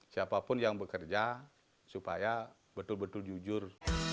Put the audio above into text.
siapapun yang bekerja supaya betul betul jujur